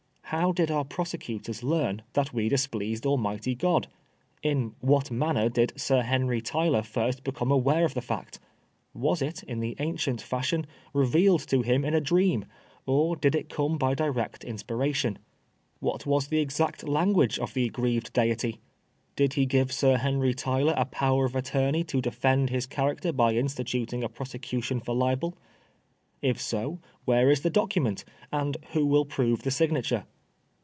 How did our prosecutors learn that we displeased Almighty God ? In what manner did Sir Henry Tyler first become aware of the fact ? Was it, in the ancient fashion, revealed to him in a dream, or did it come by direct inspiration ? What was the exact language of OtJB INDICTMENT. 43 the aggrieved Deity ? Did he give Sir Henry Tyler a power of attorney to defend his character by instituting a prosecution for libel ? If so, where is the document, and who will prove the signature